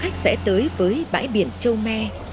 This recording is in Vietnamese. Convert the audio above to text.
khách sẽ tới với bãi biển châu me